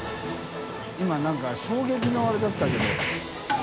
何か衝撃のあれだったけど。